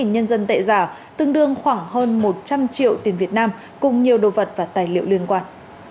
hai mươi tám nhân dân tệ giả tương đương khoảng hơn một trăm linh triệu tiền việt nam cùng nhiều đồ vật và tài liệu liên quan